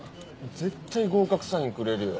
絶対合格サインくれるよ。